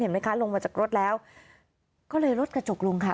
ไหมคะลงมาจากรถแล้วก็เลยลดกระจกลงค่ะ